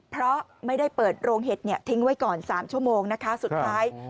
เพราะไม่ได้เปิดโรงเห็ดเนี่ยทิ้งไว้ก่อน๓ชั่วโมงนะคะสุดท้าย